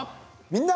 「みんな！